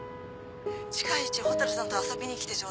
近いうち蛍さんと遊びに来てちょうだい。